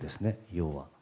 要は。